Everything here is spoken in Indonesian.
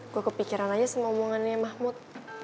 gue kepikiran aja sama omongannya mahmud